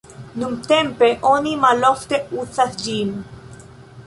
Nuntempe oni malofte uzas ĝin.